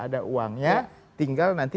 ada uangnya tinggal nanti